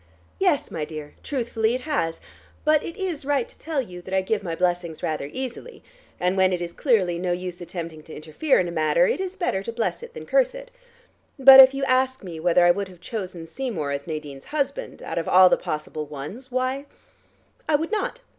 "Yes, my dear: truthfully, it has. But it is right to tell you that I give my blessings rather easily, and when it is clearly no use attempting to interfere in a matter, it is better to bless it than curse it. But if you ask me whether I would have chosen Seymour as Nadine's husband, out of all the possible ones, why, I would not.